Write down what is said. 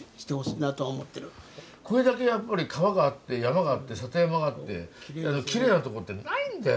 これだけやっぱり川があって山があって里山があってきれいなとこってないんだよ。